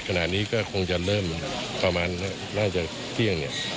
ขณะนี้ก็คงจะเริ่มประมาณน่าจะเที่ยงเนี่ย